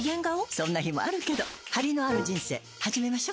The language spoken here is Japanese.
そんな日もあるけどハリのある人生始めましょ。